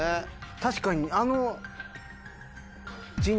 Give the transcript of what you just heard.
確かに。